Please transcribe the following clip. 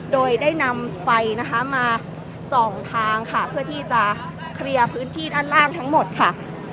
โดยได้นำไฟนะคะมาส่องทางค่ะเพื่อที่จะเคลียร์พื้นที่ด้านล่างทั้งหมดค่ะ